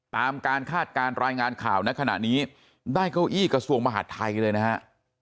ตามการคาดการณ์รายงานข่าวในขณะนี้ได้เก้าอี้กระทรวงมหาดไทยเลยนะฮะ